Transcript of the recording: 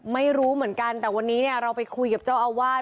ไม่รู้เหมือนกันแต่วันนี้เนี่ยเราไปคุยกับเจ้าอาวาส